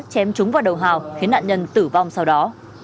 chém trúng vào đầu hào khiến nạn nhân tử vong sau đó